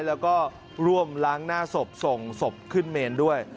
แล้วก็ร่วมล้างหน้าศพส่งศพขึ้นเมนด้วย